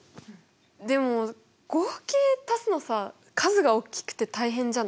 でも合計足すのさ数がおっきくて大変じゃない？